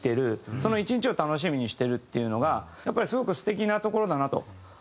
その１日を楽しみにしてるっていうのがやっぱりすごく素敵なところだなと思ってます。